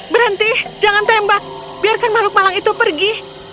berhenti jangan tembak biarkan makhluk malang itu pergi